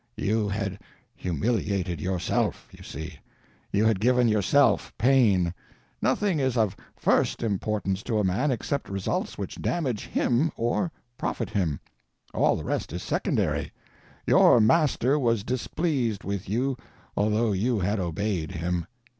You had humiliated yourself, you see, you had given yourself pain. Nothing is of _first _importance to a man except results which damage _him _or profit him—all the rest is secondary. Your Master was displeased with you, although you had obeyed him.